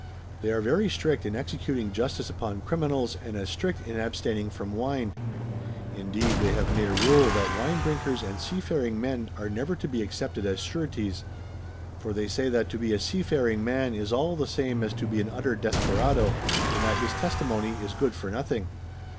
] They are very strict in executing justice upon criminals, and as strict in abstaining from wine. Indeed they have made a rule that wine drinkers and seafaring men are never to be accepted as sureties. For they say that to be a seafaring man is all the same as to be an utter desperado, and that his testimony is good for nothing.